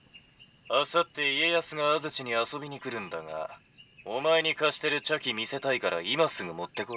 「あさって家康が安土に遊びに来るんだがお前に貸してる茶器見せたいから今すぐ持ってこい」。